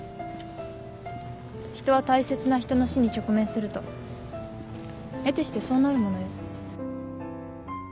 人は大切な人の死に直面すると得てしてそうなるものよ。